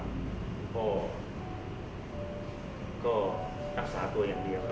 มันประกอบกันแต่ว่าอย่างนี้แห่งที่